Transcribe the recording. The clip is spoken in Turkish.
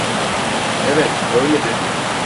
Evet, öyle dedim.